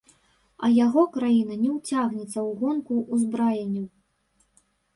А яго краіна не ўцягнецца ў гонку ўзбраенняў.